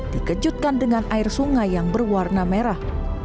dikejutkan dengan air sungai yang berwarna merah